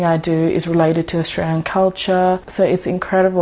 karena saya tidak tahu apa yang akan saya lakukan